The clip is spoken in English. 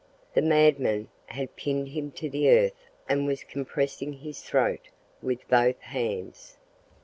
The madman had pinned him to the earth and was compressing his throat with both hands.